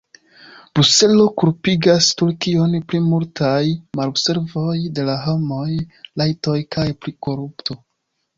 Bruselo kulpigas Turkion pri multaj malobservoj de la homaj rajtoj kaj pri korupto.